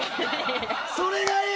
それがいい！